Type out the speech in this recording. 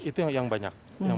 itu yang banyak